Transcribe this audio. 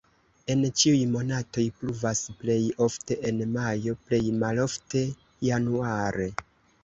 En ĉiuj monatoj pluvas, plej ofte en majo, plej malofte januare.